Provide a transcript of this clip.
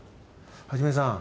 一さん